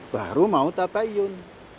baru mau tabayun